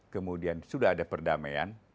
kemudian sudah ada perdamaian